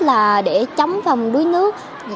là để chống phòng đuối nước